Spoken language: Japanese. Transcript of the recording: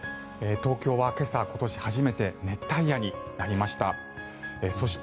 東京は今朝今年初めて熱帯夜になりました。